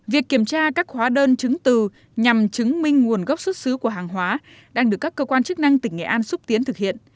việc kiểm tra các hóa đơn chứng từ nhằm chứng minh nguồn gốc xuất xứ của hàng hóa đang được các cơ quan chức năng tỉnh nghệ an xúc tiến thực hiện